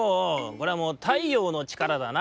これはもう太陽のちからだな」。